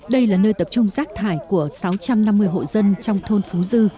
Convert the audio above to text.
đây là nơi tập trung rác thải của sáu trăm năm mươi hộ dân trong thôn phú dư